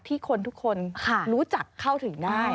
คนทุกคนรู้จักเข้าถึงได้